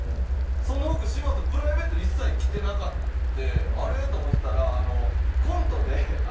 その服嶋佐プライベートで一切着てなかって「あれ？」と思ってたら。